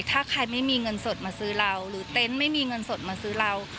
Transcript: ถ้าใครไม่มีเงินสดมาซื้อเราหรือเต็นต์ไม่มีเงินสดมาซื้อเรา